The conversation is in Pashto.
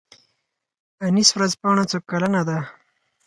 انیس ورځپاڼه څو کلنه ده؟